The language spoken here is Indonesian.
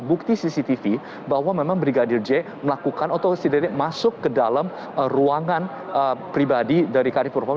bukti cctv bahwa memang brigadir j melakukan atau tidak masuk ke dalam ruangan pribadi dari kdf pro pampore